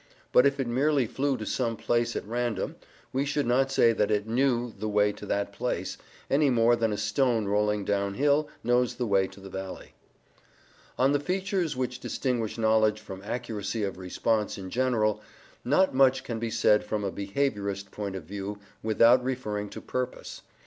But if it merely flew to some place at random, we should not say that it "knew" the way to that place, any more than a stone rolling down hill knows the way to the valley. On the features which distinguish knowledge from accuracy of response in general, not much can be said from a behaviourist point of view without referring to purpose.